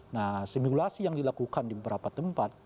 nah simulasi yang dilakukan di beberapa tempat